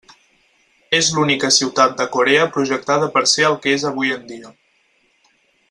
És l'única ciutat de Corea projectada per ser el que és avui en dia.